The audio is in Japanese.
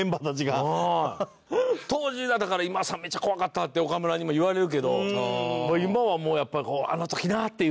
当時はだから「今田さんめっちゃ怖かった」って岡村にも言われるけど今はもうやっぱりこう「あの時な」っていう。